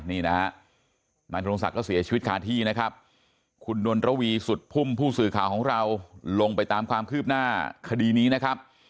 นี่นะฮะนายทรงศักดิ์ก็เสียชีวิตคาที่นะครับคุณนวลระวีสุดพุ่มผู้สื่อข่าวของเราลงไปตามความคืบหน้าคดีนี้นะครับ